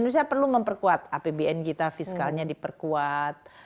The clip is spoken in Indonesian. indonesia perlu memperkuat apbn kita fiskalnya diperkuat